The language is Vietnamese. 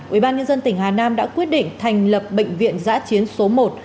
ubnd tỉnh hà nam đã quyết định thành lập bệnh viện giã chiến số một